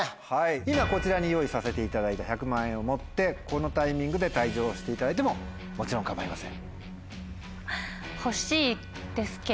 今こちらに用意させていただいた１００万円を持ってこのタイミングで退場していただいてももちろん構いません。